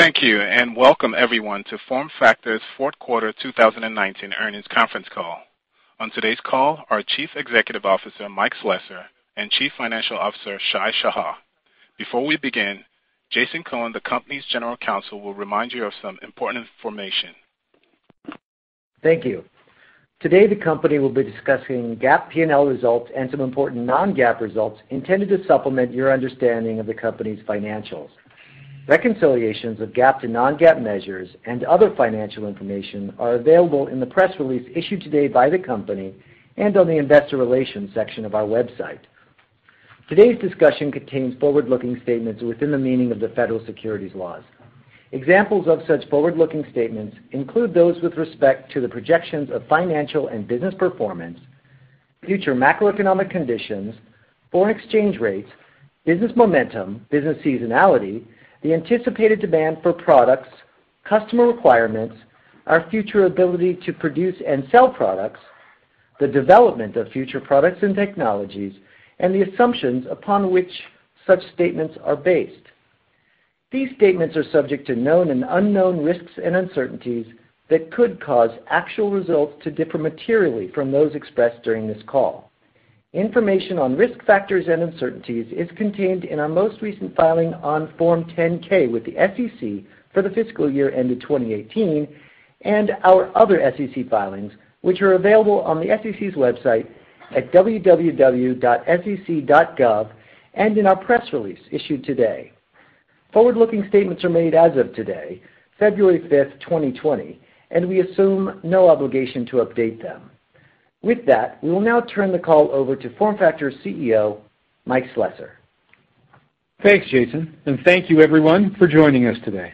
Thank you, welcome everyone to FormFactor's Q4 2019 earnings conference call. On today's call are Chief Executive Officer, Mike Slesser, and Chief Financial Officer, Shai Shahar Before we begin, Jason Cohen, the company's general counsel, will remind you of some important information. Thank you. Today, the company will be discussing GAAP P&L results and some important non-GAAP results intended to supplement your understanding of the company's financials. Reconciliations of GAAP to non-GAAP measures and other financial information are available in the press release issued today by the company and on the investor relations section of our website. Today's discussion contains forward-looking statements within the meaning of the federal securities laws. Examples of such forward-looking statements include those with respect to the projections of financial and business performance, future macroeconomic conditions, foreign exchange rates, business momentum, business seasonality, the anticipated demand for products, customer requirements, our future ability to produce and sell products, the development of future products and technologies, and the assumptions upon which such statements are based. These statements are subject to known and unknown risks and uncertainties that could cause actual results to differ materially from those expressed during this call. Information on risk factors and uncertainties is contained in our most recent filing on Form 10-K with the SEC for the fiscal year ended 2018, and our other SEC filings, which are available on the SEC's website at www.sec.gov, and in our press release issued today. Forward-looking statements are made as of today, February 5th, 2020. We assume no obligation to update them. With that, we will now turn the call over to FormFactor CEO, Mike Slessor. Thanks, Jason. Thank you, everyone, for joining us today.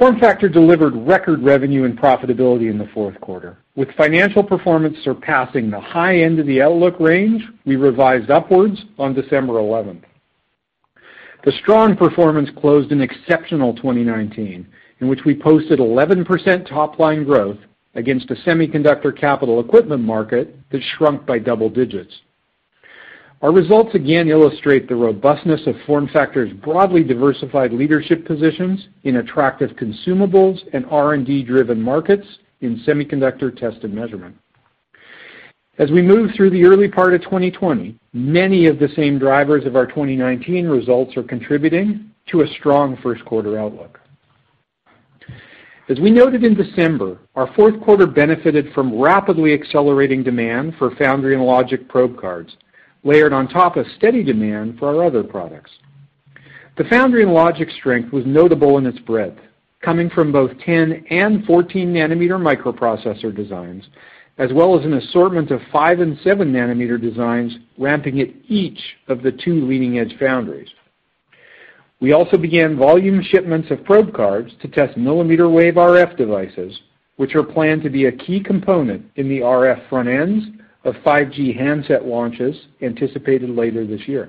FormFactor delivered record revenue and profitability in the Q4, with financial performance surpassing the high end of the outlook range we revised upwards on December 11th. The strong performance closed an exceptional 2019, in which we posted 11% top-line growth against a semiconductor capital equipment market that shrunk by double digits. Our results again illustrate the robustness of FormFactor's broadly diversified leadership positions in attractive consumables and R&D-driven markets in semiconductor test and measurement. As we move through the early part of 2020, many of the same drivers of our 2019 results are contributing to a strong Q1 outlook. As we noted in December, our Q4 benefited from rapidly accelerating demand for foundry and logic probe cards, layered on top of steady demand for our other products. The foundry and logic strength was notable in its breadth, coming from both 10 and 14-nanometer microprocessor designs, as well as an assortment of five and seven-nanometer designs ramping at each of the two leading-edge foundries. We also began volume shipments of probe cards to test millimeter wave RF devices, which are planned to be a key component in the RF front ends of 5G handset launches anticipated later this year.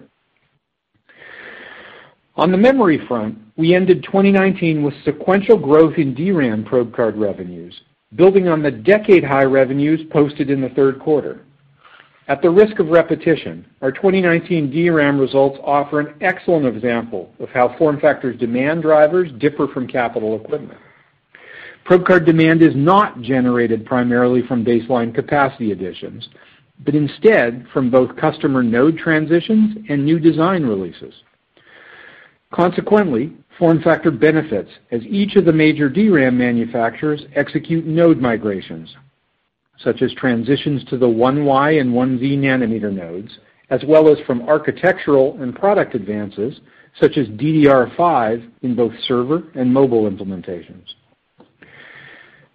On the memory front, we ended 2019 with sequential growth in DRAM probe card revenues, building on the decade-high revenues posted in the Q3. At the risk of repetition, our 2019 DRAM results offer an excellent example of how FormFactor's demand drivers differ from capital equipment. Probe card demand is not generated primarily from baseline capacity additions, but instead from both customer node transitions and new design releases. Consequently, FormFactor benefits as each of the major DRAM manufacturers execute node migrations, such as transitions to the 1Y and 1Z nanometer nodes, as well as from architectural and product advances, such as DDR5 in both server and mobile implementations.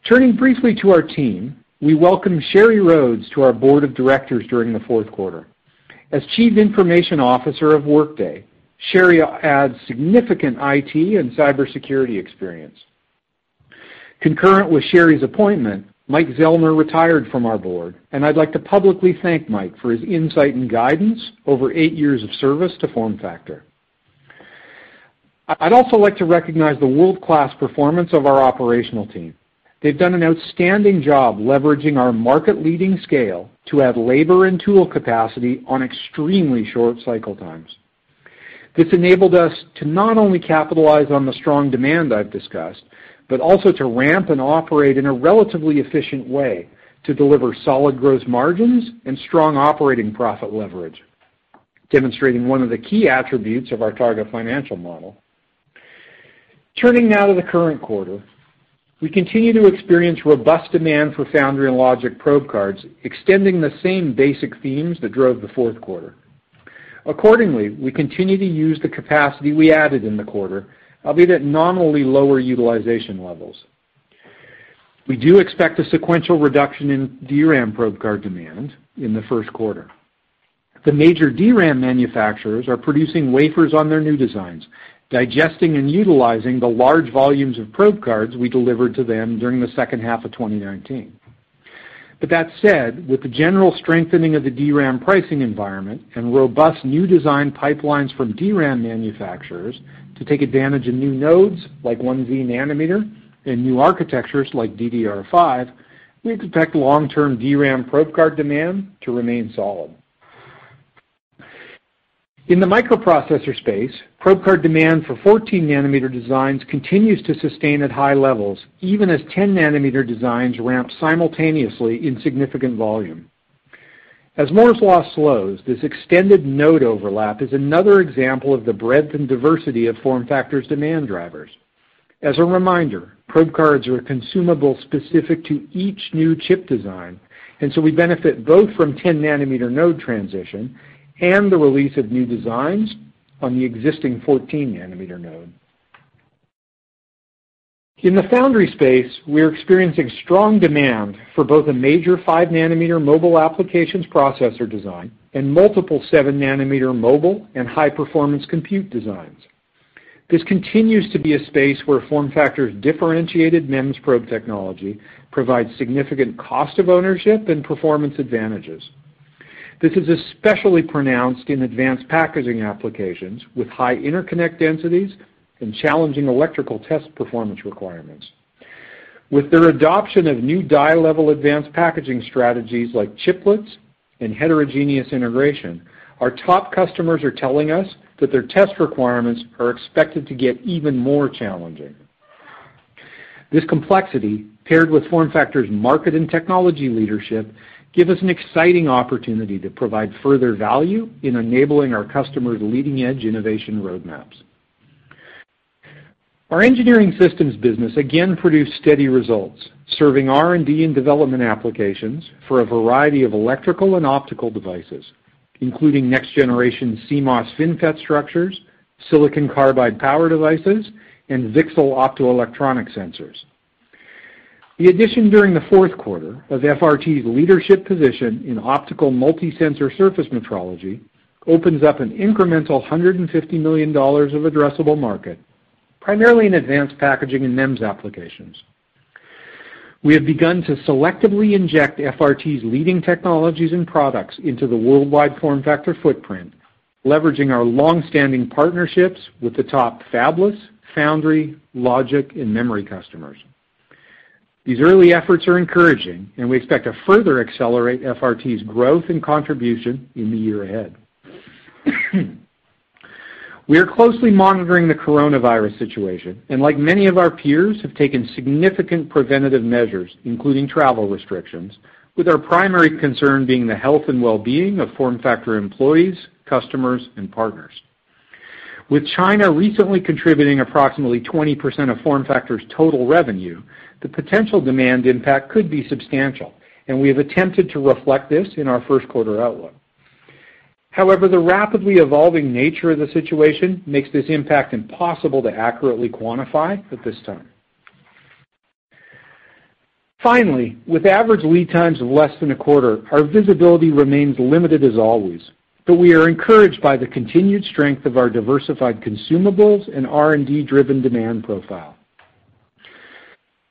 Turning briefly to our team, we welcome Sheri Rhodes to our board of directors during the Q4. As chief information officer of Workday, Sheri adds significant IT and cybersecurity experience. Concurrent with Sheri's appointment, Mike Zellner retired from our board, and I'd like to publicly thank Mike for his insight and guidance over eight years of service to FormFactor. I'd also like to recognize the world-class performance of our operational team. They've done an outstanding job leveraging our market-leading scale to add labor and tool capacity on extremely short cycle times. This enabled us to not only capitalize on the strong demand I've discussed, but also to ramp and operate in a relatively efficient way to deliver solid gross margins and strong operating profit leverage, demonstrating one of the key attributes of our target financial model. Turning now to the current quarter. We continue to experience robust demand for foundry and logic probe cards, extending the same basic themes that drove the Q4. Accordingly, we continue to use the capacity we added in the quarter, albeit at nominally lower utilization levels. We do expect a sequential reduction in DRAM probe card demand in the Q1. The major DRAM manufacturers are producing wafers on their new designs, digesting and utilizing the large volumes of probe cards we delivered to them during the second half of 2019. That said, with the general strengthening of the DRAM pricing environment and robust new design pipelines from DRAM manufacturers to take advantage of new nodes like 1Z nanometer and new architectures like DDR5, we expect long-term DRAM probe card demand to remain solid. In the microprocessor space, probe card demand for 14 nanometer designs continues to sustain at high levels, even as 10 nanometer designs ramp simultaneously in significant volume. As Moore's law slows, this extended node overlap is another example of the breadth and diversity of FormFactor's demand drivers. As a reminder, probe cards are a consumable specific to each new chip design, and so we benefit both from 10 nanometer node transition and the release of new designs on the existing 14 nanometer node. In the foundry space, we are experiencing strong demand for both a major five nanometer mobile applications processor design and multiple seven nanometer mobile and high-performance compute designs. This continues to be a space where FormFactor's differentiated MEMS probe technology provides significant cost of ownership and performance advantages. This is especially pronounced in advanced packaging applications with high interconnect densities and challenging electrical test performance requirements. With their adoption of new die level advanced packaging strategies like chiplets and heterogeneous integration, our top customers are telling us that their test requirements are expected to get even more challenging. This complexity, paired with FormFactor's market and technology leadership, give us an exciting opportunity to provide further value in enabling our customers' leading-edge innovation roadmaps. Our engineering systems business again produced steady results, serving R&D and development applications for a variety of electrical and optical devices, including next-generation CMOS FinFET structures, silicon carbide power devices, and VCSEL optoelectronic sensors. The addition during the Q4 of FRT's leadership position in optical multi-sensor surface metrology opens up an incremental $150 million of addressable market, primarily in advanced packaging and MEMS applications. We have begun to selectively inject FRT's leading technologies and products into the worldwide FormFactor footprint, leveraging our longstanding partnerships with the top fabless, foundry, logic, and memory customers. We expect to further accelerate FRT's growth and contribution in the year ahead. We are closely monitoring the coronavirus situation, Like many of our peers, have taken significant preventative measures, including travel restrictions, with our primary concern being the health and wellbeing of FormFactor employees, customers, and partners. With China recently contributing approximately 20% of FormFactor's total revenue, the potential demand impact could be substantial, and we have attempted to reflect this in our Q1 outlook. The rapidly evolving nature of the situation makes this impact impossible to accurately quantify at this time. With average lead times of less than a quarter, our visibility remains limited as always, but we are encouraged by the continued strength of our diversified consumables and R&D-driven demand profile.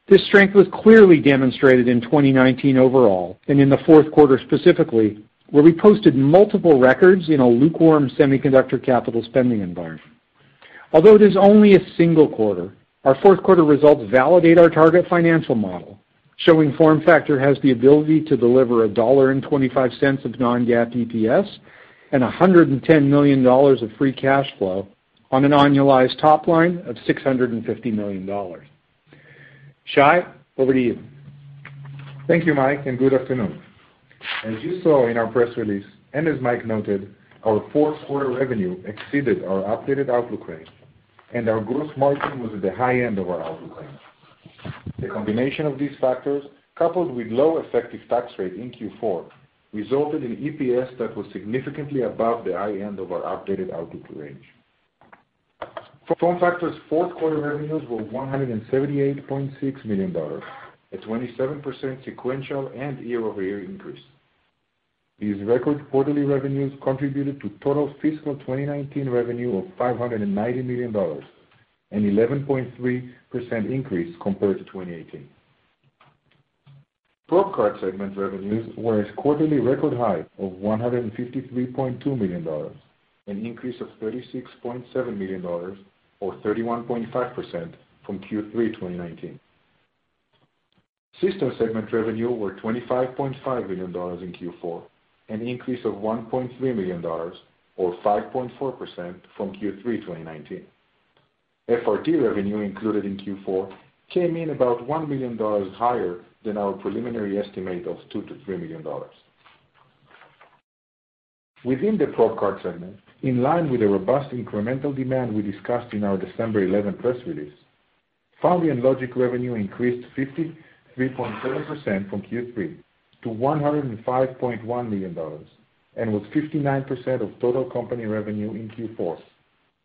This strength was clearly demonstrated in 2019 overall, and in the Q4 specifically, where we posted multiple records in a lukewarm semiconductor capital spending environment. Although it is only a single quarter, ourQ4 results validate our target financial model, showing FormFactor has the ability to deliver $1.25 of non-GAAP EPS and $110 million of free cash flow on an annualized top line of $650 million. Shai, over to you. Thank you, Mike, and good afternoon. As you saw in our press release, and as Mike noted, our Q4 revenue exceeded our updated outlook range, and our gross margin was at the high end of our outlook range. The combination of these factors, coupled with low effective tax rate in Q4, resulted in EPS that was significantly above the high end of our updated outlook range. FormFactor's Q4 revenues were $178.6 million, a 27% sequential and year-over-year increase. These record quarterly revenues contributed to total fiscal 2019 revenue of $590 million, an 11.3% increase compared to 2018. Probe Card Segment revenues were a quarterly record high of $153.2 million, an increase of $36.7 million, or 31.5%, from Q3 2019. System Segment revenue were $25.5 million in Q4, an increase of $1.3 million, or 5.4%, from Q3 2019. FRT revenue included in Q4 came in about $1 million higher than our preliminary estimate of $2 million-$3 million. Within the probe card segment, in line with the robust incremental demand we discussed in our December 11 press release, foundry and logic revenue increased 53.7% from Q3 to $105.1 million, and was 59% of total company revenue in Q4,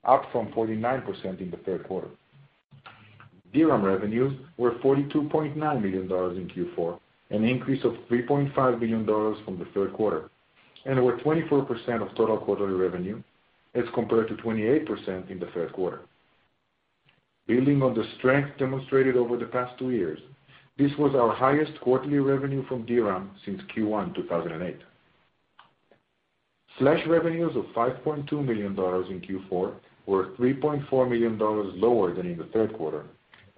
up from 49% in the Q3. DRAM revenues were $42.9 million in Q4, an increase of $3.5 million from the Q3, and were 24% of total quarterly revenue, as compared to 28% in the Q3. Building on the strength demonstrated over the past two years, this was our highest quarterly revenue from DRAM since Q1 2008. Flash revenues of $5.2 million in Q4 were $3.4 million lower than in the Q3,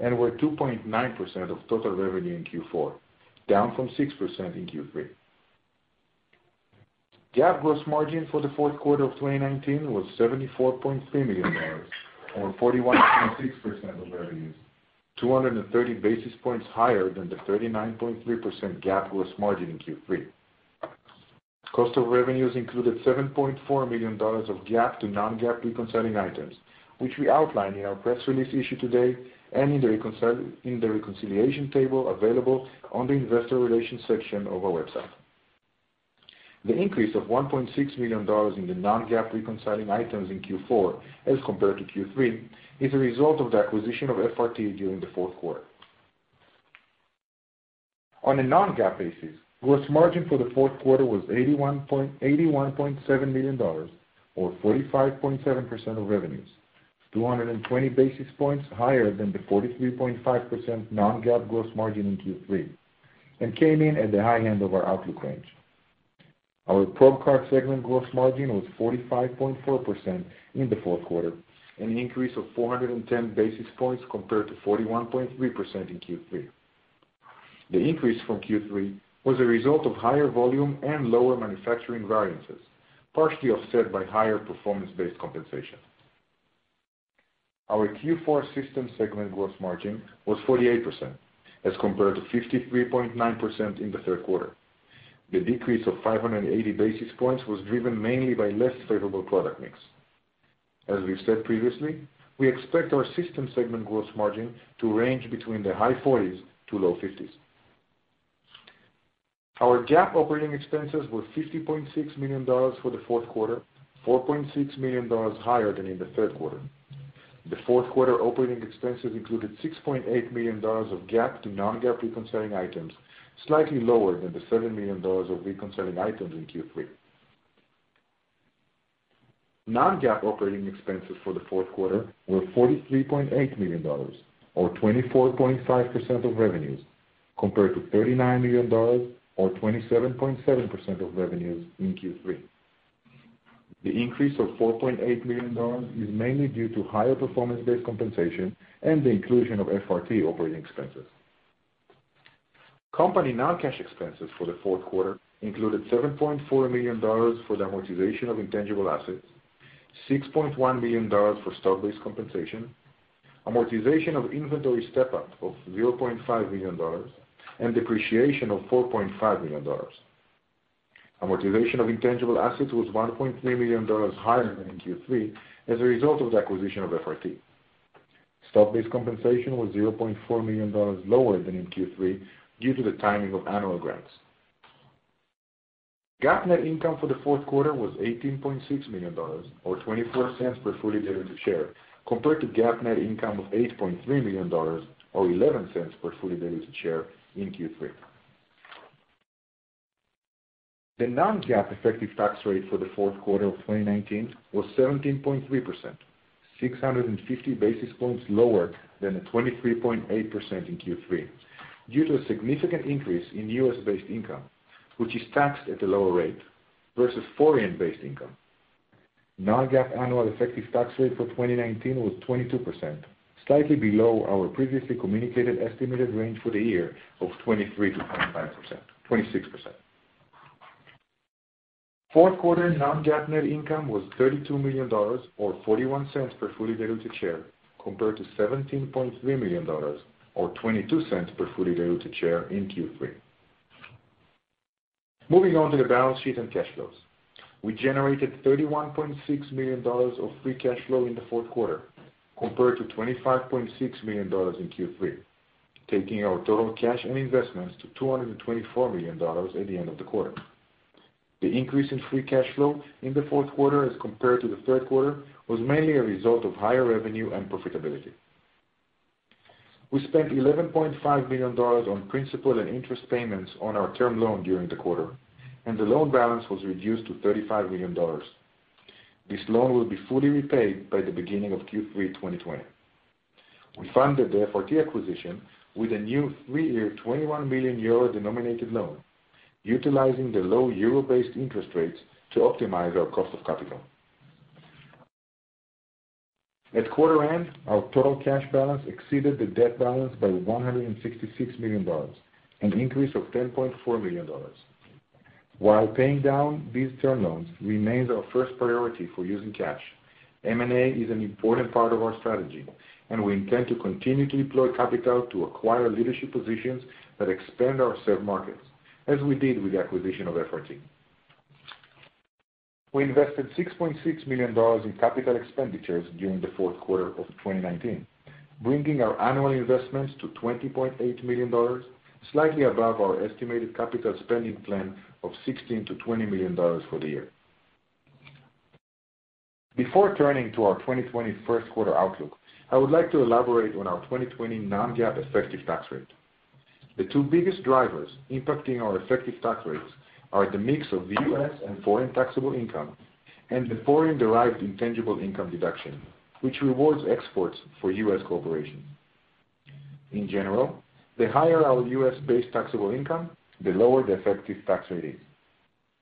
and were 2.9% of total revenue in Q4, down from six percent in Q3. GAAP gross margin for theQ4 of 2019 was $74.3 million, or 41.6% of revenues, 230 basis points higher than the 39.3% GAAP gross margin in Q3. Cost of revenues included $7.4 million of GAAP to non-GAAP reconciling items, which we outline in our press release issued today, and in the reconciliation table available on the investor relations section of our website. The increase of $1.6 million in the non-GAAP reconciling items in Q4 as compared to Q3, is a result of the acquisition of FRT during the Q4. On a non-GAAP basis, gross margin for the Q4 was $81.7 million, or 45.7% of revenues, 220 basis points higher than the 43.5% non-GAAP gross margin in Q3, and came in at the high end of our outlook range. Our probe card segment gross margin was 45.4% in the Q4, an increase of 410 basis points compared to 41.3% in Q3. The increase from Q3 was a result of higher volume and lower manufacturing variances, partially offset by higher performance-based compensation. Our Q4 systems segment gross margin was 48%, as compared to 53.9% in the Q3. The decrease of 580 basis points was driven mainly by less favorable product mix. As we've said previously, we expect our system segment gross margin to range between the high 40s to low 50s. Our GAAP operating expenses were $50.6 million for the Q4, $4.6 million higher than in the Q3. The Q4 operating expenses included $6.8 million of GAAP to non-GAAP reconciling items, slightly lower than the $7 million of reconciling items in Q3. Non-GAAP operating expenses for the Q4 were $43.8 million, or 24.5% of revenues, compared to $39 million or 27.7% of revenues in Q3. The increase of $4.8 million is mainly due to higher performance-based compensation and the inclusion of FRT operating expenses. Company non-cash expenses for the Q4 included $7.4 million for the amortization of intangible assets, $6.1 million for stock-based compensation, amortization of inventory step-up of $0.5 million, and depreciation of $4.5 million. Amortization of intangible assets was $1.3 million higher than in Q3 as a result of the acquisition of FRT. Stock-based compensation was $0.4 million lower than in Q3, due to the timing of annual grants. GAAP net income for the Q4 was $18.6 million, or $0.24 per fully diluted share, compared to GAAP net income of $8.3 million, or $0.11 per fully diluted share in Q3. The non-GAAP effective tax rate for the Q4 of 2019 was 17.3%, 650 basis points lower than the 23.8% in Q3, due to a significant increase in U.S.-based income, which is taxed at a lower rate, versus foreign-based income. Non-GAAP annual effective tax rate for 2019 was 22%, slightly below our previously communicated estimated range for the year of 23%-26%. Q4 non-GAAP net income was $32 million, or $0.41 per fully diluted share, compared to $17.3 million or $0.22 per fully diluted share in Q3. Moving on to the balance sheet and cash flows. We generated $31.6 million of free cash flow in the Q4, compared to $25.6 million in Q3, taking our total cash and investments to $224 million at the end of the quarter. The increase in free cash flow in the Q4 as compared to the Q3, was mainly a result of higher revenue and profitability. We spent $11.5 million on principal and interest payments on our term loan during the quarter, and the loan balance was reduced to $35 million. This loan will be fully repaid by the beginning of Q3 2020. We funded the FRT acquisition with a new three-year 21 million euro-denominated loan, utilizing the low euro-based interest rates to optimize our cost of capital. At quarter end, our total cash balance exceeded the debt balance by $166 million, an increase of $10.4 million. While paying down these term loans remains our first priority for using cash, M&A is an important part of our strategy, and we intend to continue to deploy capital to acquire leadership positions that expand our served markets, as we did with the acquisition of FRT. We invested $6.6 million in capital expenditures during the fourth quarter of 2019, bringing our annual investments to $20.8 million, slightly above our estimated capital spending plan of $16 million-$20 million for the year. Before turning to our 2020 Q1 outlook, I would like to elaborate on our 2020 non-GAAP effective tax rate. The two biggest drivers impacting our effective tax rates are the mix of U.S. and foreign taxable income and the foreign-derived intangible income deduction, which rewards exports for U.S. corporations. In general, the higher our U.S.-based taxable income, the lower the effective tax rate is.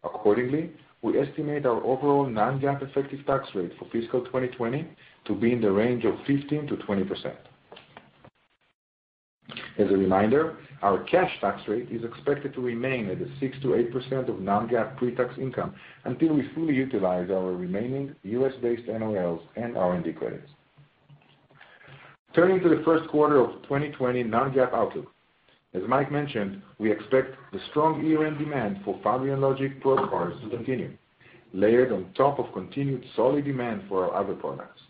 Accordingly, we estimate our overall non-GAAP effective tax rate for fiscal 2020 to be in the range of 15%-20%. As a reminder, our cash tax rate is expected to remain at the six percent - eight percent of non-GAAP pre-tax income until we fully utilize our remaining U.S.-based NOLs and R&D credits. Turning to the Q1 of 2020 non-GAAP outlook. As Mike mentioned, we expect the strong year-end demand for foundry and logic probe cards to continue, layered on top of continued solid demand for our other products.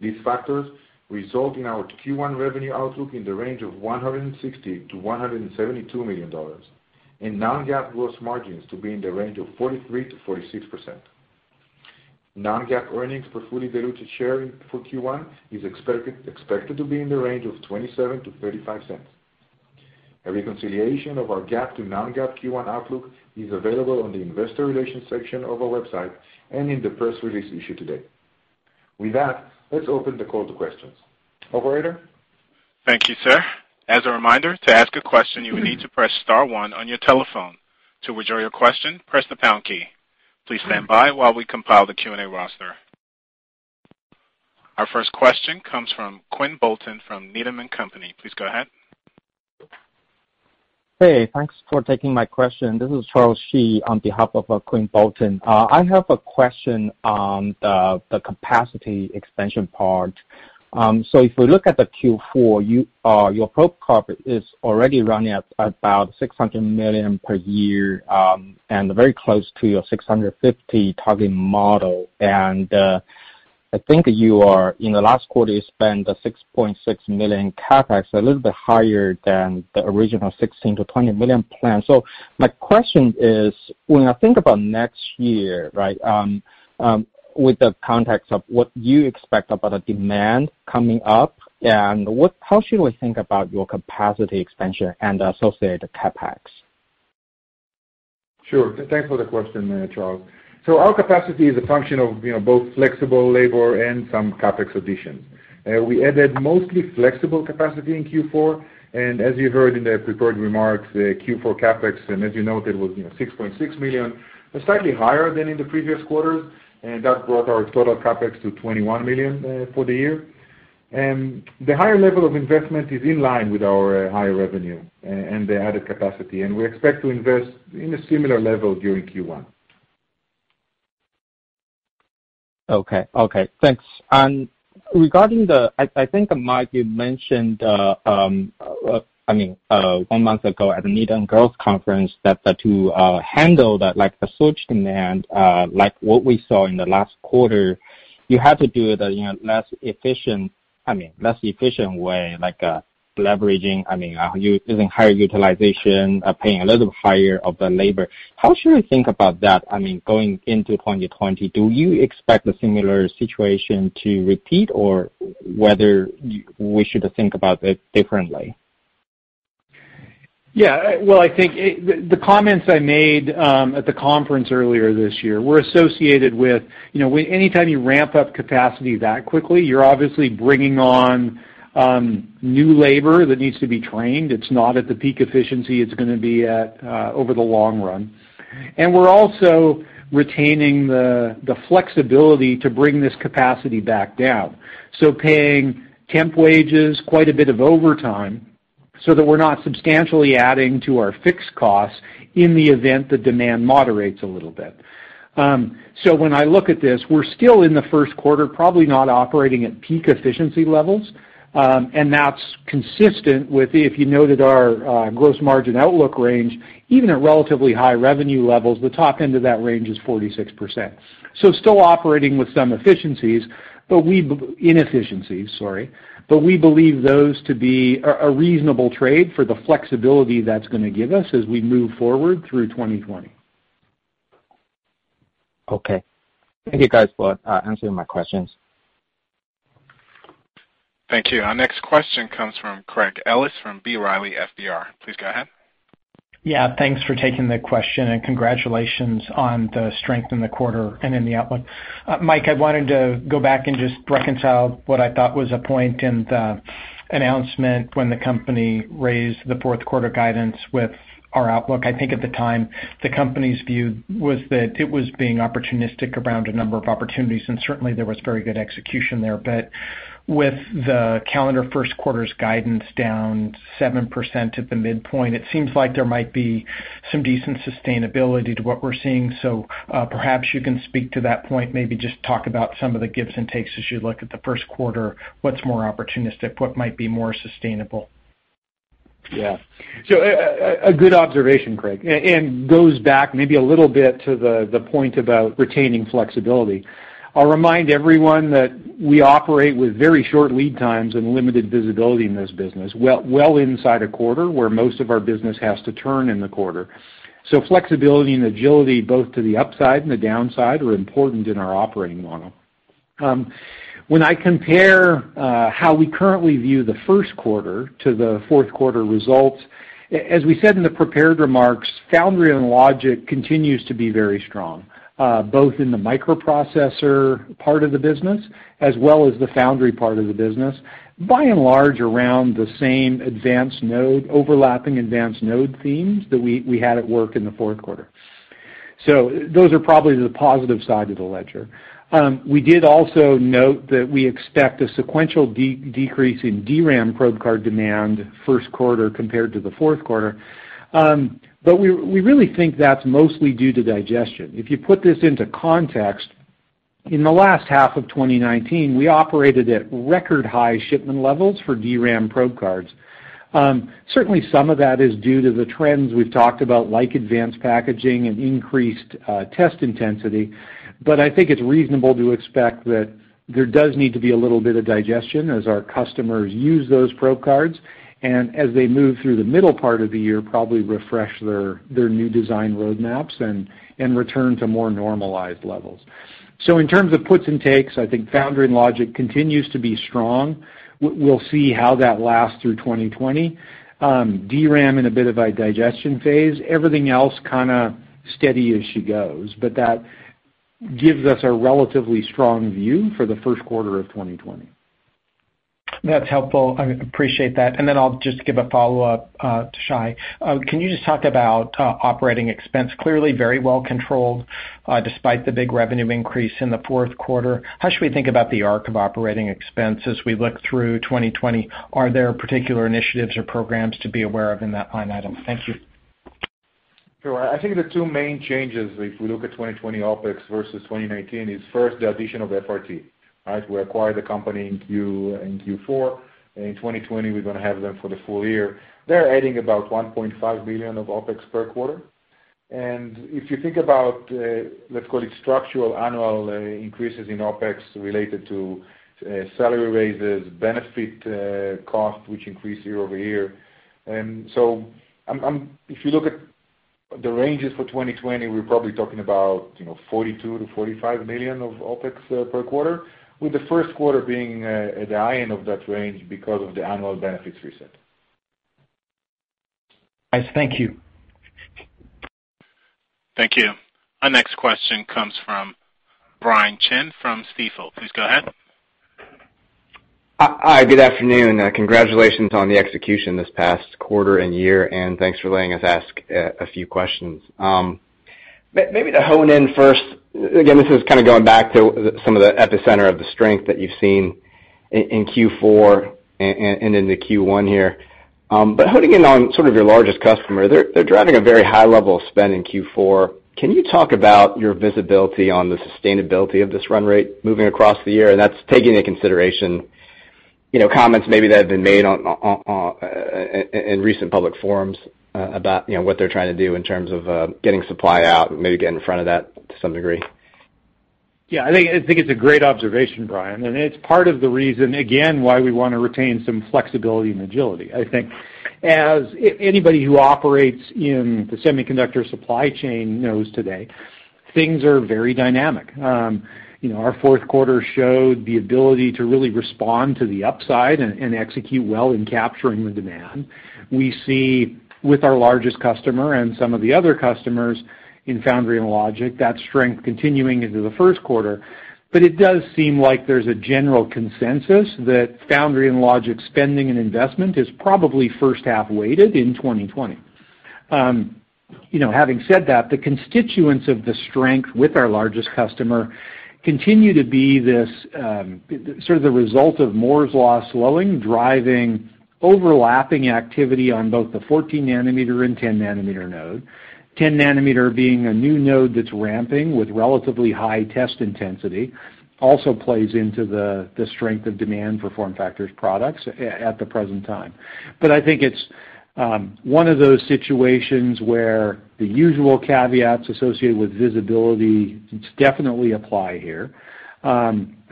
These factors result in our Q1 revenue outlook in the range of $160 million-$172 million, and non-GAAP gross margins to be in the range of 43%-46%. Non-GAAP earnings per fully diluted share for Q1 is expected to be in the range of $0.27-$0.35. A reconciliation of our GAAP to non-GAAP Q1 outlook is available on the investor relations section of our website and in the press release issued today. With that, let's open the call to questions. Operator? Thank you, sir. As a reminder, to ask a question, you will need to press star one on your telephone. To withdraw your question, press the pound key. Please stand by while we compile the Q&A roster. Our first question comes from Quinn Bolton from Needham & Company. Please go ahead. Hey, thanks for taking my question. This is Charles Shi on behalf of Quinn Bolton. I have a question on the capacity expansion part. If we look at the Q4, your probe card is already running at about $600 million per year, and very close to your $650 target model. I think in the last quarter, you spent $6.6 million CapEx, a little bit higher than the original $16 million-$20 million plan. My question is, when I think about next year, with the context of what you expect about the demand coming up, how should we think about your capacity expansion and associated CapEx? Sure. Thanks for the question there, Charles. Our capacity is a function of both flexible labor and some CapEx additions. We added mostly flexible capacity in Q4, and as you heard in the prepared remarks, the Q4 CapEx, and as you noted, was $6.6 million, slightly higher than in the previous quarters, and that brought our total CapEx to $21 million for the year. The higher level of investment is in line with our higher revenue and the added capacity, and we expect to invest in a similar level during Q1. Okay. Thanks. Regarding the, I think, Mike Slessor, you mentioned, one month ago at the Needham Growth Conference, that to handle the surge demand, like what we saw in the last quarter, you had to do it in a less efficient way, like leveraging, using higher utilization, paying a little higher of the labor. How should we think about that, going into 2020? Do you expect a similar situation to repeat, or whether we should think about it differently? Yeah. Well, I think the comments I made at the conference earlier this year were associated with, anytime you ramp up capacity that quickly, you're obviously bringing on new labor that needs to be trained. It's not at the peak efficiency it's going to be at over the long run. We're also retaining the flexibility to bring this capacity back down. Paying temp wages, quite a bit of overtime, so that we're not substantially adding to our fixed costs in the event the demand moderates a little bit. When I look at this, we're still in the Q1, probably not operating at peak efficiency levels, and that's consistent with, if you noted our gross margin outlook range, even at relatively high revenue levels, the top end of that range is 46%. Still operating with some inefficiencies, but we believe those to be a reasonable trade for the flexibility that's going to give us as we move forward through 2020. Okay. Thank you guys for answering my questions. Thank you. Our next question comes from Craig Ellis from B. Riley FBR. Please go ahead. Yeah, thanks for taking the question, and congratulations on the strength in the quarter and in the outlook. Mike, I wanted to go back and just reconcile what I thought was a point in the announcement when the company raised the Q4 guidance with our outlook. I think at the time, the company's view was that it was being opportunistic around a number of opportunities, and certainly there was very good execution there. With the calendar first quarter's guidance down seven percent at the midpoint, it seems like there might be some decent sustainability to what we're seeing. Perhaps you can speak to that point, maybe just talk about some of the gives and takes as you look at the Q1. What's more opportunistic? What might be more sustainable? Yeah. A good observation, Craig, and goes back maybe a little bit to the point about retaining flexibility. I'll remind everyone that we operate with very short lead times and limited visibility in this business, well inside a quarter, where most of our business has to turn in the quarter. Flexibility and agility both to the upside and the downside are important in our operating model. When I compare how we currently view the Q1 - the Q4 results, as we said in the prepared remarks, foundry and logic continues to be very strong, both in the microprocessor part of the business as well as the foundry part of the business, by and large around the same overlapping advanced node themes that we had at work in the Q4. Those are probably the positive side of the ledger. We did also note that we expect a sequential decrease in DRAM probe card demand Q1 compared to the Q4. We really think that's mostly due to digestion. If you put this into context, in the last half of 2019, we operated at record high shipment levels for DRAM probe cards. Certainly, some of that is due to the trends we've talked about, like advanced packaging and increased test intensity. I think it's reasonable to expect that there does need to be a little bit of digestion as our customers use those probe cards, and as they move through the middle part of the year, probably refresh their new design roadmaps and return to more normalized levels. In terms of puts and takes, I think foundry and logic continues to be strong. We'll see how that lasts through 2020. DRAM in a bit of a digestion phase. Everything else kind of steady as she goes. That gives us a relatively strong view for the Q1 of 2020. That's helpful. I appreciate that. Then I'll just give a follow-up to Shai. Can you just talk about operating expense? Clearly very well controlled, despite the big revenue increase in the Q4. How should we think about the arc of operating expense as we look through 2020? Are there particular initiatives or programs to be aware of in that line item? Thank you. Sure. I think the two main changes, if we look at 2020 OpEx versus 2019, is first the addition of FRT. We acquired the company in Q4. In 2020, we're going to have them for the full year. They're adding about $1.5 billion of OpEx per quarter. If you think about, let's call it structural annual increases in OpEx related to salary raises, benefit cost, which increase year-over-year. If you look at the ranges for 2020, we're probably talking about $42 million-$45 million of OpEx per quarter, with the Q1 being at the high end of that range because of the annual benefits reset. Thank you. Thank you. Our next question comes from Brian Chin from Stifel. Please go ahead. Hi, good afternoon. Congratulations on the execution this past quarter and year, and thanks for letting us ask a few questions. Maybe to hone in first, again, this is kind of going back to some of the epicenter of the strength that you've seen in Q4 and into Q1 here. Honing in on sort of your largest customer, they're driving a very high level of spend in Q4. Can you talk about your visibility on the sustainability of this run rate moving across the year? That's taking into consideration comments maybe that have been made in recent public forums about what they're trying to do in terms of getting supply out, maybe get in front of that to some degree. Yeah, I think it's a great observation, Brian, and it's part of the reason, again, why we want to retain some flexibility and agility. I think as anybody who operates in the semiconductor supply chain knows today, things are very dynamic. Our Q4 showed the ability to really respond to the upside and execute well in capturing the demand. We see with our largest customer and some of the other customers in foundry and logic, that strength continuing into the Q1. It does seem like there's a general consensus that foundry and logic spending and investment is probably first-half weighted in 2020. Having said that, the constituents of the strength with our largest customer continue to be sort of the result of Moore's law slowing, driving overlapping activity on both the 14 nanometer and 10 nanometer node. 10 nanometer being a new node that's ramping with relatively high test intensity also plays into the strength of demand for FormFactor's products at the present time. I think it's one of those situations where the usual caveats associated with visibility definitely apply here.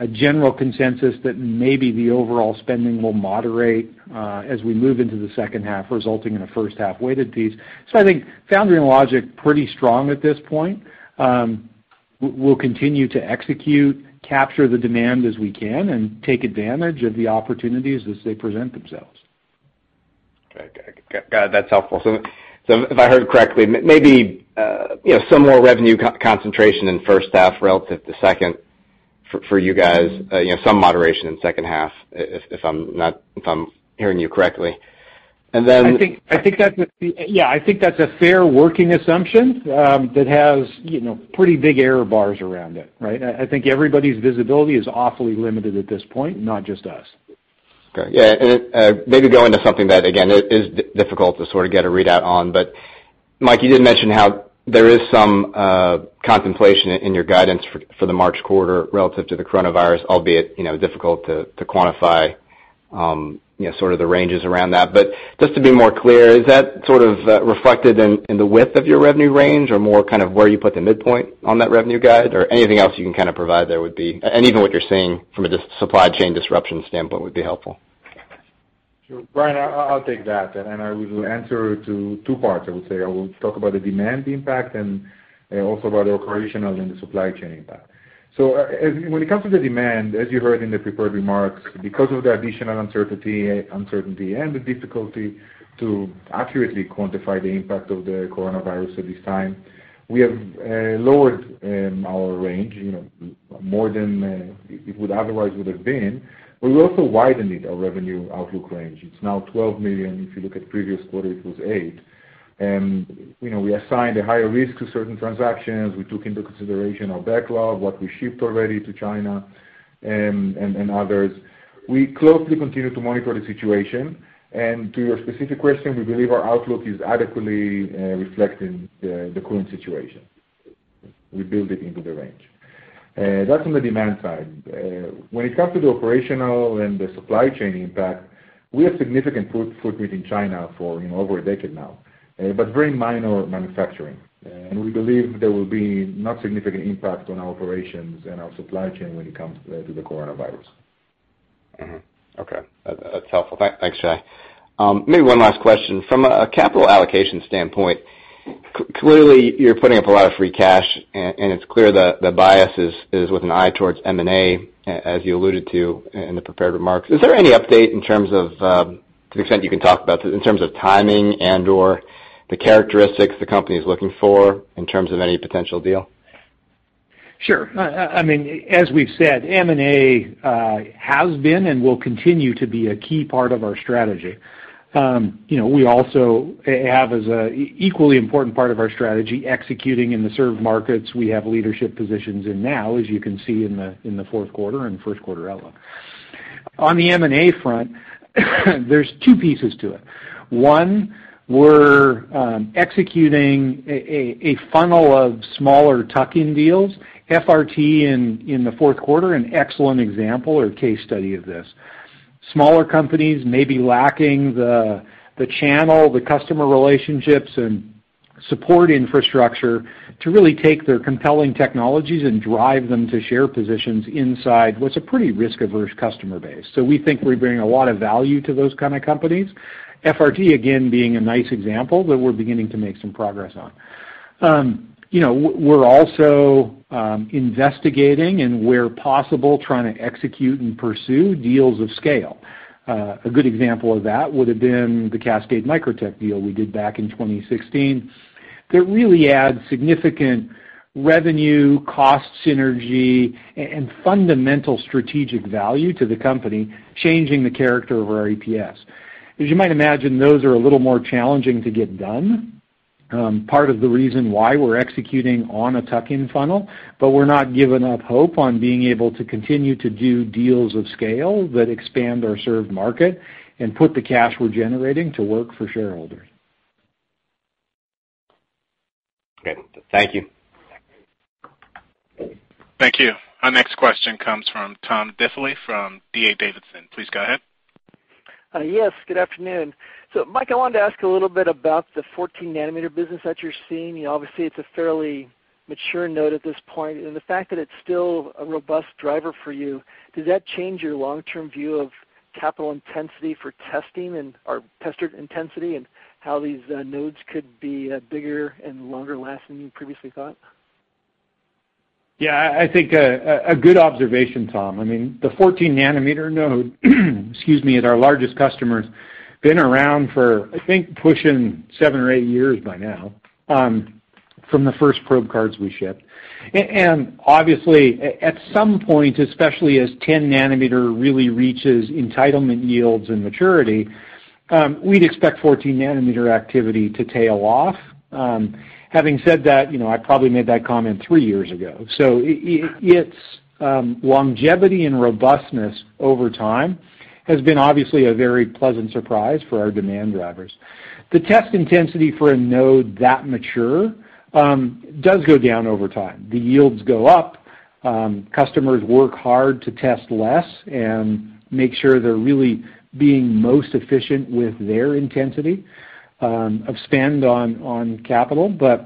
A general consensus that maybe the overall spending will moderate as we move into the second half, resulting in a first half weighted piece. I think foundry and logic pretty strong at this point. We'll continue to execute, capture the demand as we can, and take advantage of the opportunities as they present themselves. Got it. That's helpful. If I heard correctly, maybe some more revenue concentration in first half relative to second for you guys, some moderation in second half, if I'm hearing you correctly. Yeah, I think that's a fair working assumption that has pretty big error bars around it, right? I think everybody's visibility is awfully limited at this point, not just us. Okay. Yeah. Maybe going to something that, again, is difficult to sort of get a readout on, but Mike, you did mention how there is some contemplation in your guidance for the March quarter relative to the coronavirus, albeit difficult to quantify sort of the ranges around that. Just to be more clear, is that sort of reflected in the width of your revenue range or more kind of where you put the midpoint on that revenue guide? Anything else you can kind of provide there would be, and even what you're seeing from a supply chain disruption standpoint would be helpful. Sure. Brian, I'll take that. I will answer to two parts, I would say. I will talk about the demand impact and also about the operational and the supply chain impact. When it comes to the demand, as you heard in the prepared remarks, because of the additional uncertainty and the difficulty to accurately quantify the impact of the coronavirus at this time, we have lowered our range more than it otherwise would have been. We also widened it, our revenue outlook range. It's now $12 million. If you look at previous quarter, it was $8. We assigned a higher risk to certain transactions. We took into consideration our backlog, what we shipped already to China, and others. We closely continue to monitor the situation. To your specific question, we believe our outlook is adequately reflecting the current situation. We build it into the range. That's on the demand side. When it comes to the operational and the supply chain impact, we have significant footprint in China for over a decade now, but very minor manufacturing. We believe there will be not significant impact on our operations and our supply chain when it comes to the coronavirus. Okay. That's helpful. Thanks, Shai. Maybe one last question. From a capital allocation standpoint, clearly you're putting up a lot of free cash, and it's clear the bias is with an eye towards M&A, as you alluded to in the prepared remarks. Is there any update in terms of, to the extent you can talk about, in terms of timing and/or the characteristics the company is looking for in terms of any potential deal? Sure. As we've said, M&A has been and will continue to be a key part of our strategy. We also have, as an equally important part of our strategy, executing in the served markets we have leadership positions in now, as you can see in the Q4 and Q1 outlook. On the M&A front, there's two pieces to it. One, we're executing a funnel of smaller tuck-in deals. FRT in the Q4, an excellent example or case study of this. Smaller companies may be lacking the channel, the customer relationships, and support infrastructure to really take their compelling technologies and drive them to share positions inside what's a pretty risk-averse customer base. We think we bring a lot of value to those kind of companies. FRT, again, being a nice example that we're beginning to make some progress on. We're also investigating and, where possible, trying to execute and pursue deals of scale. A good example of that would've been the Cascade Microtech deal we did back in 2016, that really adds significant revenue, cost synergy, and fundamental strategic value to the company, changing the character of our EPS. As you might imagine, those are a little more challenging to get done. Part of the reason why we're executing on a tuck-in funnel, but we're not giving up hope on being able to continue to do deals of scale that expand our served market and put the cash we're generating to work for shareholders. Okay. Thank you. Thank you. Our next question comes from Tom Diffely from D.A. Davidson. Please go ahead. Yes, good afternoon. Mike, I wanted to ask a little bit about the 14 nanometer business that you're seeing. Obviously, it's a fairly mature node at this point, and the fact that it's still a robust driver for you, does that change your long-term view of capital intensity for testing and/or tester intensity, and how these nodes could be bigger and longer lasting than you previously thought? Yeah, I think a good observation, Tom. The 14 nanometer node, excuse me, at our largest customer's been around for, I think, pushing seven or eight years by now from the first probe cards we shipped. Obviously, at some point, especially as 10 nanometer really reaches entitlement yields and maturity, we'd expect 14 nanometer activity to tail off. Having said that, I probably made that comment three years ago. Its longevity and robustness over time has been obviously a very pleasant surprise for our demand drivers. The test intensity for a node that mature does go down over time. The yields go up. Customers work hard to test less and make sure they're really being most efficient with their intensity of spend on capital. Because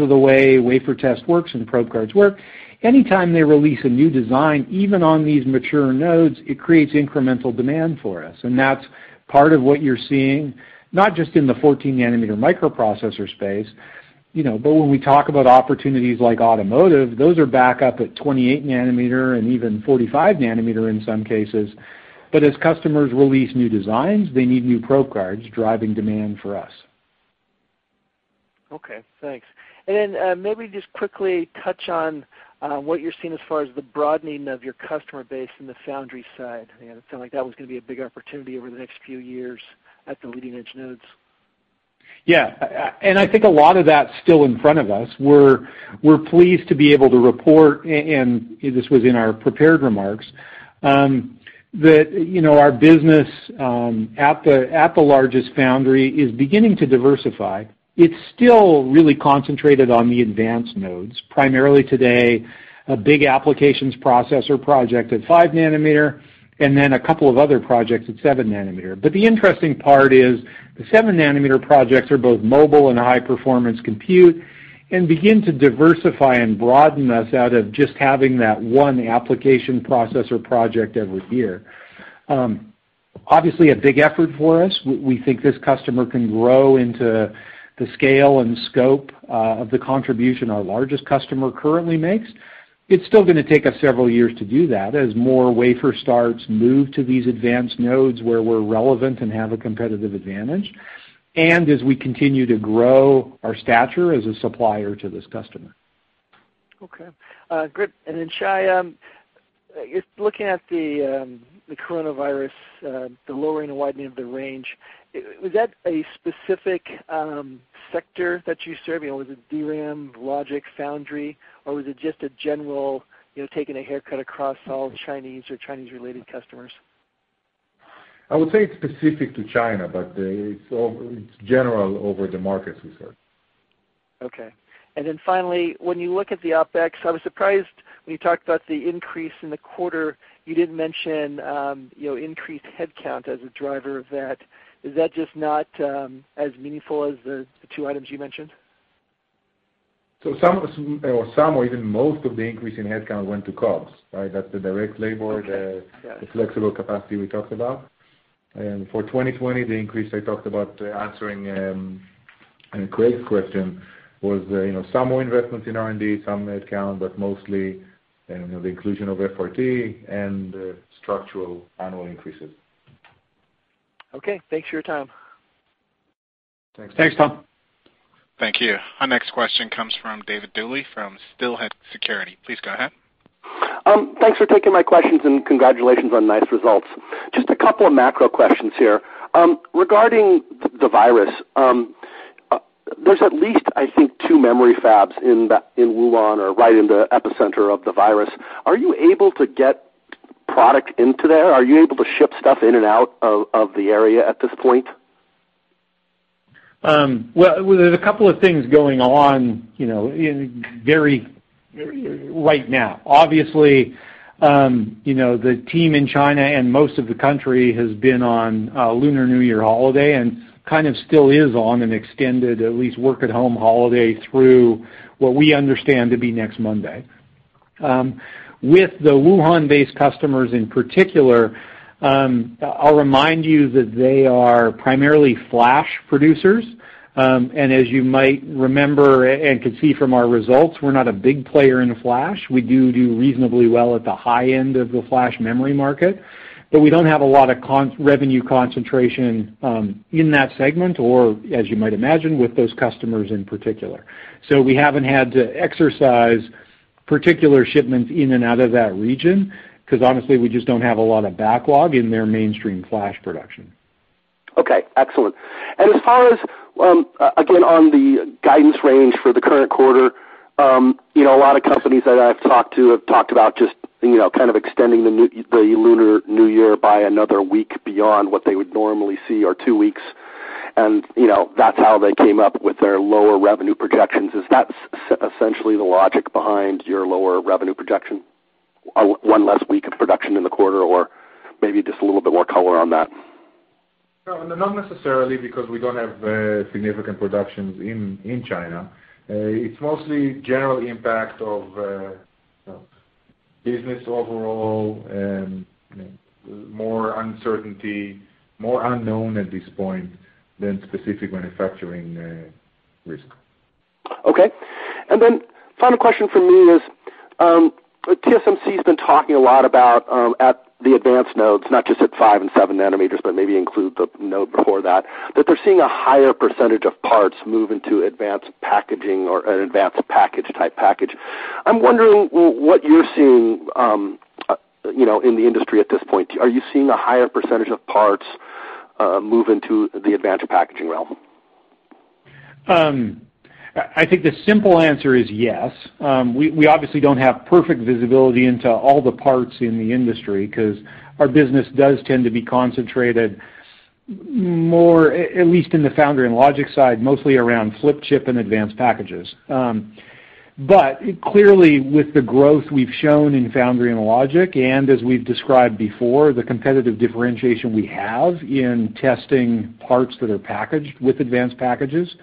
of the way wafer test works and probe cards work, anytime they release a new design, even on these mature nodes, it creates incremental demand for us. That's part of what you're seeing, not just in the 14 nanometer microprocessor space, but when we talk about opportunities like automotive, those are back up at 28 nanometer and even 45 nanometer in some cases. As customers release new designs, they need new probe cards, driving demand for us. Okay, thanks. Maybe just quickly touch on what you're seeing as far as the broadening of your customer base in the foundry side. It sounded like that was going to be a big opportunity over the next few years at the leading-edge nodes. Yeah. I think a lot of that's still in front of us. We're pleased to be able to report, and this was in our prepared remarks, that our business at the largest foundry is beginning to diversify. It's still really concentrated on the advanced nodes. Primarily today, a big applications processor project at five nanometer, and then a couple of other projects at seven nanometer. The interesting part is the seven-nanometer projects are both mobile and high-performance compute and begin to diversify and broaden us out of just having that one application processor project every year. Obviously, a big effort for us. We think this customer can grow into the scale and scope of the contribution our largest customer currently makes. It's still going to take us several years to do that as more wafer starts move to these advanced nodes where we're relevant and have a competitive advantage, and as we continue to grow our stature as a supplier to this customer. Okay. Great. Then Shai, if looking at the coronavirus, the lowering and widening of the range, was that a specific sector that you serve? Was it DRAM, logic, foundry, or was it just a general taking a haircut across all Chinese or Chinese-related customers? I would say it's specific to China, but it's general over the markets we serve. Okay. Finally, when you look at the OpEx, I was surprised when you talked about the increase in the quarter, you didn't mention increased headcount as a driver of that. Is that just not as meaningful as the two items you mentioned? Some, or even most of the increase in headcount went to COGS, right? That's the direct labor. Okay. Yeah. the flexible capacity we talked about. For 2020, the increase I talked about answering Craig's question was, some more investments in R&D, some headcount, but mostly, the inclusion of FRT and structural annual increases. Okay. Thanks for your time. Thanks. Thanks, Tom. Thank you. Our next question comes from David Duley from Steelhead Securities. Please go ahead. Thanks for taking my questions. Congratulations on nice results. Just a couple of macro questions here. Regarding the virus, there's at least, I think, two memory fabs in Wuhan or right in the epicenter of the virus. Are you able to get product into there? Are you able to ship stuff in and out of the area at this point? Well, there's a couple of things going on right now. Obviously, the team in China and most of the country has been on Lunar New Year holiday and kind of still is on an extended, at least work at home holiday through what we understand to be next Monday. With the Wuhan-based customers in particular, I'll remind you that they are primarily flash producers. As you might remember, and can see from our results, we're not a big player in flash. We do reasonably well at the high end of the flash memory market. We don't have a lot of revenue concentration in that segment or, as you might imagine, with those customers in particular. We haven't had to exercise particular shipments in and out of that region because honestly, we just don't have a lot of backlog in their mainstream flash production. Okay. Excellent. As far as, again, on the guidance range for the current quarter, a lot of companies that I've talked to have talked about just kind of extending the Lunar New Year by another week beyond what they would normally see, or two weeks, and that's how they came up with their lower revenue projections. Is that essentially the logic behind your lower revenue projection, one less week of production in the quarter, or maybe just a little bit more color on that? No, not necessarily because we don't have significant productions in China. It's mostly general impact of business overall and more uncertainty, more unknown at this point than specific manufacturing risk. Okay. Final question from me is, TSMC has been talking a lot about at the advanced nodes, not just at five and seven nanometers, but maybe include the node before that they're seeing a higher percentage of parts move into advanced packaging or an advanced package type. I'm wondering what you're seeing in the industry at this point. Are you seeing a higher percentage of parts move into the advanced packaging realm? I think the simple answer is yes. We obviously don't have perfect visibility into all the parts in the industry because our business does tend to be concentrated more, at least in the foundry and logic side, mostly around flip chip and advanced packages. Clearly, with the growth we've shown in foundry and logic, and as we've described before, the competitive differentiation we have in testing parts that are packaged with advanced packages,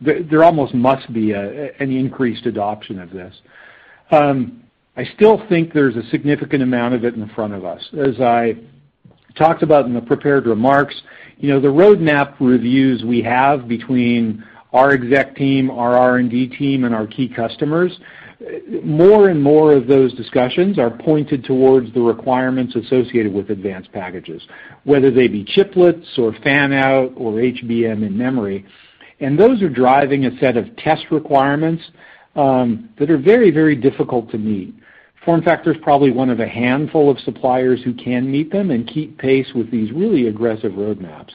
there almost must be an increased adoption of this. I still think there's a significant amount of it in front of us. As I talked about in the prepared remarks, the roadmap reviews we have between our exec team, our R&D team, and our key customers, more and more of those discussions are pointed towards the requirements associated with advanced packages, whether they be chiplets or fan-out or HBM in memory. Those are driving a set of test requirements that are very difficult to meet. FormFactor's probably one of a handful of suppliers who can meet them and keep pace with these really aggressive roadmaps.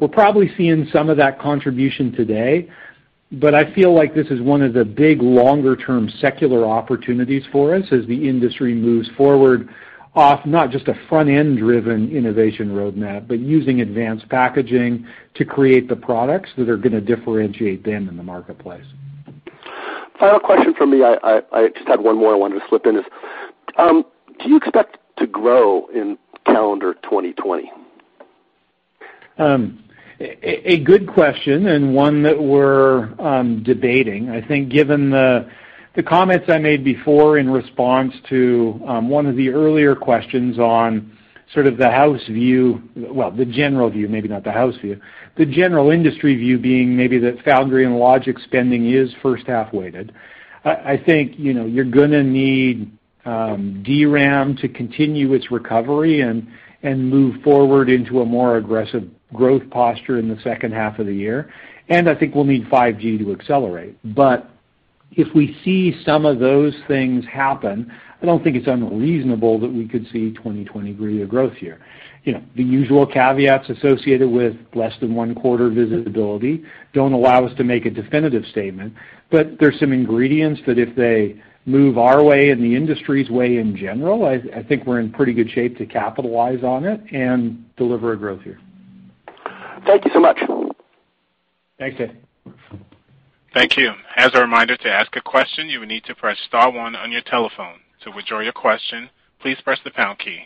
We're probably seeing some of that contribution today, but I feel like this is one of the big longer-term secular opportunities for us as the industry moves forward off not just a front-end driven innovation roadmap, but using advanced packaging to create the products that are going to differentiate them in the marketplace. Final question from me. I just had one more I wanted to slip in is, do you expect to grow in calendar 2020? A good question and one that we're debating. Given the comments I made before in response to one of the earlier questions on sort of the house view, well, the general view, maybe not the house view, the general industry view being maybe that foundry and logic spending is first half weighted. You're going to need DRAM to continue its recovery and move forward into a more aggressive growth posture in the second half of the year. We'll need 5G to accelerate. If we see some of those things happen, I don't think it's unreasonable that we could see 2020 good growth year. The usual caveats associated with less than one quarter visibility don't allow us to make a definitive statement, but there's some ingredients that if they move our way and the industry's way in general, I think we're in pretty good shape to capitalize on it and deliver a growth year. Thank you so much. Thanks, Dave. Thank you. As a reminder to ask a question, you will need to press star one on your telephone. To withdraw your question, please press the pound key.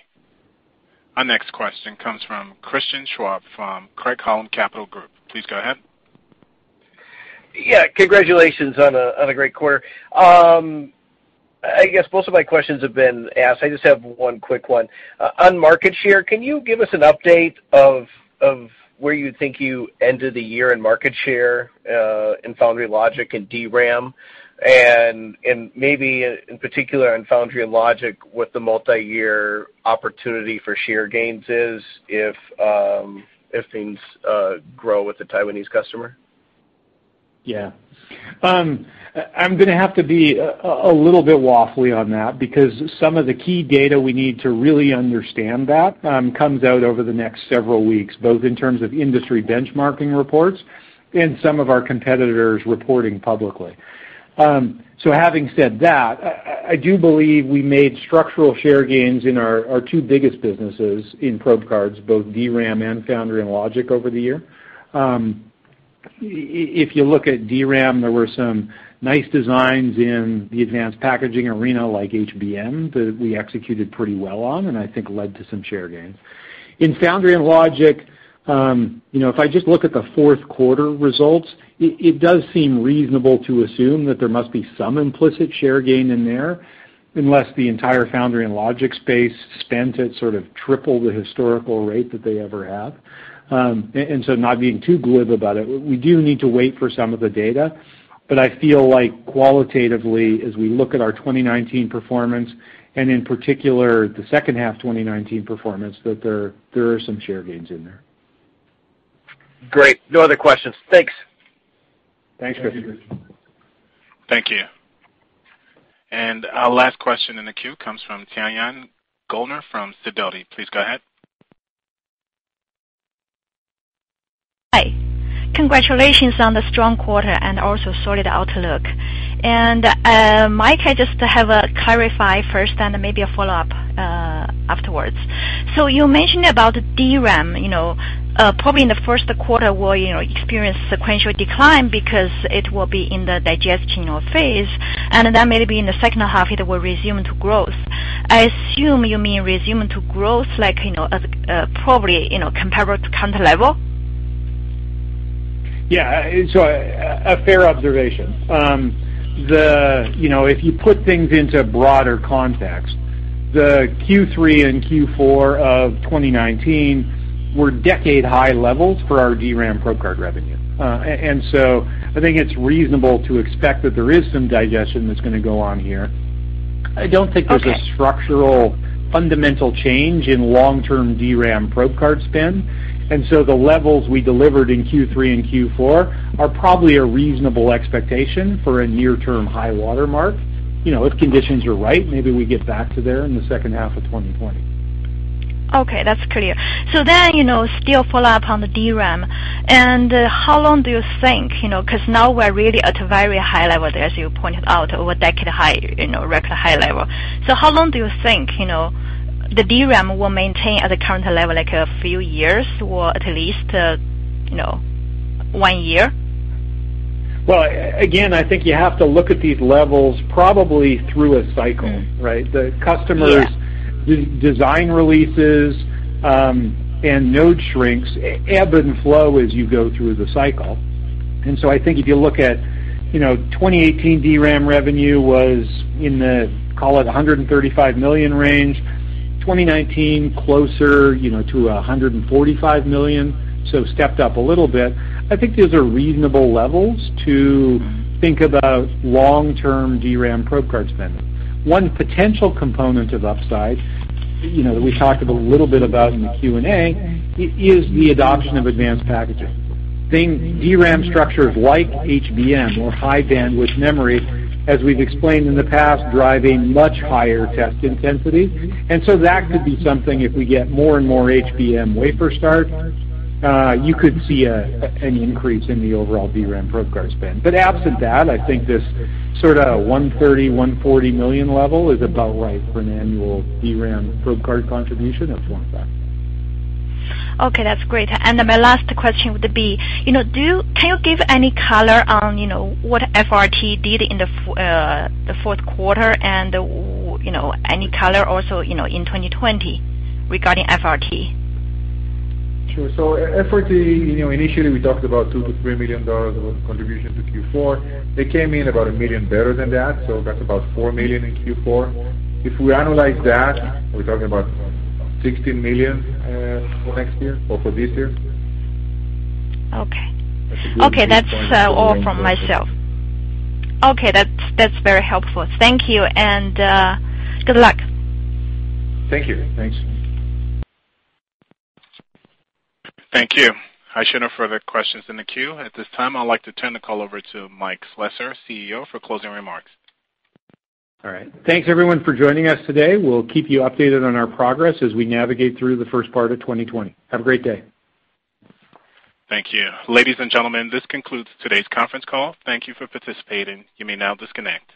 Our next question comes from Christian Schwab from Craig-Hallum Capital Group. Please go ahead. Yeah. Congratulations on a great quarter. I guess most of my questions have been asked. I just have one quick one. On market share, can you give us an update of where you think you ended the year in market share, in foundry logic and DRAM, and maybe in particular on foundry and logic, what the multi-year opportunity for share gains is, if things grow with the Taiwanese customer? Yeah. I'm gonna have to be a little bit waffly on that, because some of the key data we need to really understand that comes out over the next several weeks, both in terms of industry benchmarking reports and some of our competitors reporting publicly. Having said that, I do believe we made structural share gains in our two biggest businesses in probe cards, both DRAM and foundry and logic over the year. If you look at DRAM, there were some nice designs in the advanced packaging arena like HBM that we executed pretty well on and I think led to some share gains. In foundry and logic, if I just look at the Q4 results, it does seem reasonable to assume that there must be some implicit share gain in there, unless the entire foundry and logic space spent it sort of triple the historical rate that they ever have. Not being too glib about it, we do need to wait for some of the data, but I feel like qualitatively, as we look at our 2019 performance and in particular the second half 2019 performance, that there are some share gains in there. Great. No other questions. Thanks. Thanks, Christian. Thank you. Our last question in the queue comes from Tianyan Goellner from Fidelity. Please go ahead. Hi. Congratulations on the strong quarter and also solid outlook. Mike, I just have a clarify first and maybe a follow-up afterwards. You mentioned about DRAM, probably in the Q1 will experience sequential decline because it will be in the digestion phase, and then maybe in the second half it will resume to growth. I assume you mean resume to growth, like probably compared to current level? Yeah. A fair observation. If you put things into broader context, the Q3 and Q4 of 2019 were decade-high levels for our DRAM probe card revenue. I think it's reasonable to expect that there is some digestion that's gonna go on here. Okay there's a structural fundamental change in long-term DRAM probe card spend, and so the levels we delivered in Q3 and Q4 are probably a reasonable expectation for a near term high watermark. If conditions are right, maybe we get back to there in the second half of 2020. Okay, that's clear. Still follow-up on the DRAM, and how long do you think, because now we're really at a very high level there, as you pointed out, over decade high, record high level. How long do you think the DRAM will maintain at the current level, like a few years or at least one year? Well, again, I think you have to look at these levels probably through a cycle, right? Yeah. The customers' design releases, and node shrinks ebb and flow as you go through the cycle. I think if you look at 2018 DRAM revenue was in the, call it $135 million range. 2019 closer to $145 million, stepped up a little bit. I think these are reasonable levels to think about long-term DRAM probe card spending. One potential component of upside, that we talked a little bit about in the Q&A, is the adoption of advanced packaging. DRAM structures like HBM or high bandwidth memory, as we've explained in the past, drive a much higher test intensity. That could be something if we get more and more HBM wafer start, you could see an increase in the overall DRAM probe card spend. Absent that, I think this sort of $130 million, $140 million level is about right for an annual DRAM probe card contribution at FormFactor. Okay, that's great. My last question would be, can you give any color on what FRT did in the Q4 and any color also in 2020 regarding FRT? Sure. FRT, initially we talked about $2 million-$3 million of contribution to Q4. It came in about $1 million better than that, so that's about $4 million in Q4. If we annualize that, we're talking about $16 million for next year or for this year. Okay. That's including those signs. Okay, that's all from myself. Okay, that's very helpful. Thank you, and good luck. Thank you. Thanks. Thank you. I show no further questions in the queue. At this time, I'd like to turn the call over to Mike Slessor, CEO, for closing remarks. All right. Thanks everyone for joining us today. We'll keep you updated on our progress as we navigate through the first part of 2020. Have a great day. Thank you. Ladies and gentlemen, this concludes today's conference call. Thank you for participating. You may now disconnect.